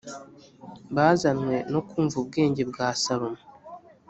bazanywe no kumva ubwenge bwa salomo